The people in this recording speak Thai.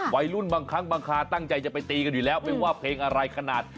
วัยรุ่นบางครั้งบางคาตั้งใจจะไปตีกันอยู่แล้วไม่ว่าเพลงอะไรขนาด